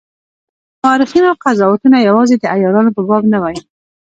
د مورخینو قضاوتونه یوازي د عیارانو په باب نه وای.